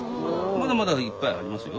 まだまだいっぱいありますよ。